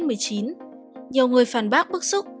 nhiều người phản bác bức xúc